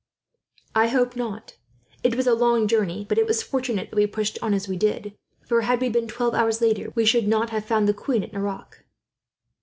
"I hope not. It was a long journey, but it was fortunate that we pushed on as we did; for had we been twelve hours later, we should not have found the queen at Nerac."